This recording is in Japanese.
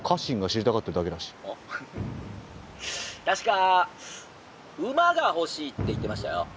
確か馬が欲しいって言ってましたよ」。